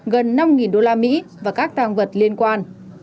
gần năm usd và các tàng vật liên quan